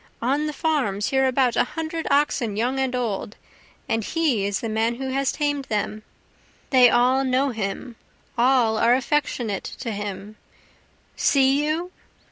on the farms hereabout a hundred oxen young and old, and he is the man who has tamed them, They all know him, all are affectionate to him; See you!